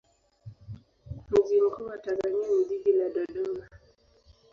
Mji mkuu wa Tanzania ni jiji la Dodoma.